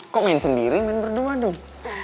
kok main sendiri main berdua dong